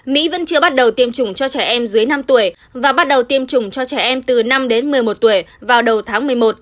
mỹ vẫn chưa bắt đầu tiêm chủng cho trẻ em dưới năm tuổi và bắt đầu tiêm chủng cho trẻ em từ năm đến một mươi một tuổi vào đầu tháng một mươi một